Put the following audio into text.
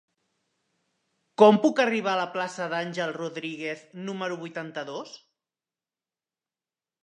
Com puc arribar a la plaça d'Àngel Rodríguez número vuitanta-dos?